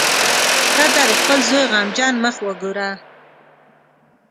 ښځه د خپل زوی غمجن مخ وګوره.